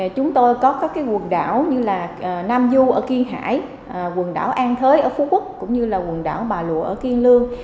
chúng tôi có các quần đảo như là nam du ở kiên hải quần đảo an thới ở phú quốc cũng như là quần đảo bà lụa ở kiên lương